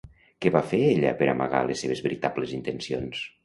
Què va fer ella per amagar les seves veritables intencions?